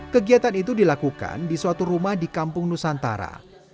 kegiatan itu dilakukan di suatu rumah di kampung nusantara